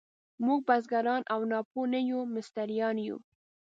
موږ بزګران او ناپوه نه یو، مستریان یو.